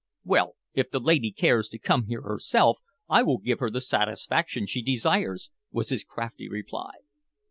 well, if the lady cares to come here herself, I will give her the satisfaction she desires," was his crafty reply.